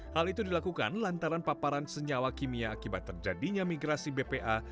hal itu dilakukan lantaran paparan senyawa kimia akibat terjadinya migrasi bpa